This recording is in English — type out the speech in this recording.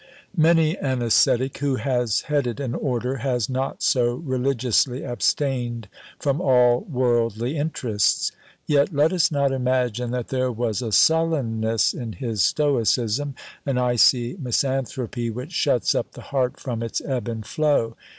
Many an ascetic, who has headed an order, has not so religiously abstained from all worldly interests; yet let us not imagine that there was a sullenness in his stoicism, an icy misanthropy, which shuts up the heart from its ebb and flow.